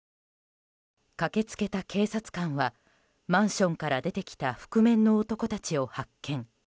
駆けつけた警察官はマンションから出てきた覆面の男たちを発見。